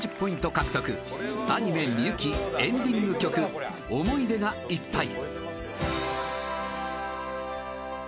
獲得アニメ『みゆき』エンディング曲『想い出がいっぱい』